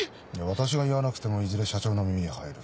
私が言わなくてもいずれ社長の耳には入る。